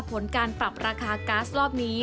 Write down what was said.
ผลการปรับราคาก๊าซรอบนี้